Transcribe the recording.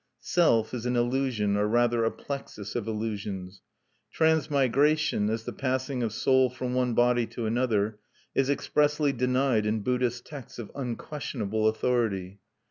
"Self" is an illusion, or rather a plexus of illusions. "Transmigration," as the passing of soul from one body to another, is expressly denied in Buddhist texts of unquestionable authority.